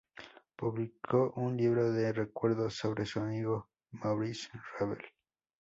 Publicó un libro de recuerdos sobre su amigo Maurice Ravel.